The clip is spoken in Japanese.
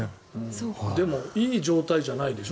でもいい状態じゃないでしょ？